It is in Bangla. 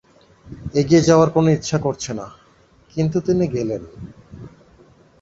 এগিয়ে যাওয়ার কোনো ইচ্ছা করছে না, কিন্তু তিনি গেলেন।